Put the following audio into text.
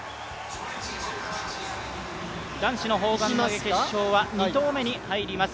男子の砲丸投決勝は２投目に入ります。